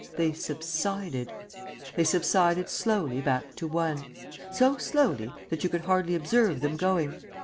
They subsided. They subsided slowly back to 1 so slowly that you could hardly observe them going.